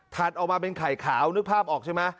ออกมาเป็นไข่ขาวนึกภาพออกใช่ไหม